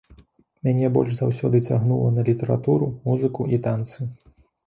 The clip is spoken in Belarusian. Мяне больш заўсёды цягнула на літаратуру, музыку і танцы.